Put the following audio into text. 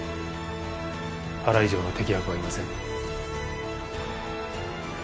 原以上の適役はいません。